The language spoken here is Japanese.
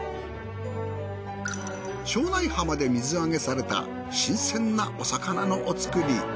庄内浜で水揚げされた新鮮なお魚のお造り。